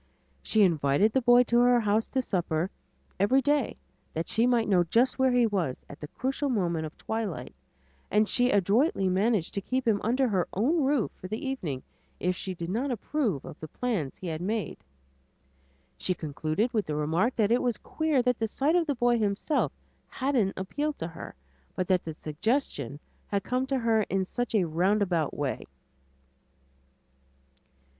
She invited the boy to her house to supper every day that she might know just where he was at the crucial moment of twilight, and she adroitly managed to keep him under her own roof for the evening if she did not approve of the plans he had made. She concluded with the remark that it was queer that the sight of the boy himself hadn't appealed to her, but that the suggestion had come to her in such a roundabout way.